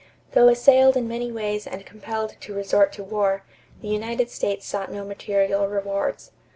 Though assailed in many ways and compelled to resort to war, the United States sought no material rewards.